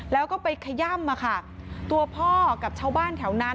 แล้วก็ไปขย่ำมาค่ะตัวพ่อกับชาวบ้านแถวนั้น